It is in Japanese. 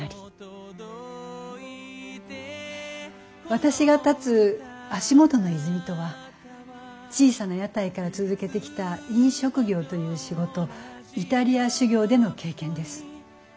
私が立つ足元の泉とは小さな屋台から続けてきた飲食業という仕事イタリア修業での経験です。